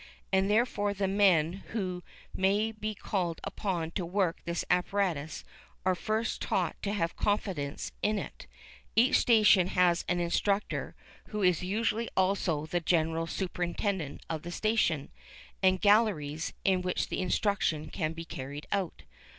And therefore the men who may be called upon to work this apparatus are first taught to have confidence in it. Each station has its instructor, who is usually also the general superintendent of the station, and "galleries" in which the instruction can be carried out.